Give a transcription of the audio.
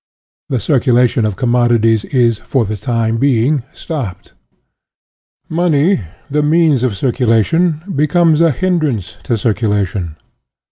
The circulation of commodities is, for the time being, stopped. Money, the means of cir culation, becomes a hindrance to circulation.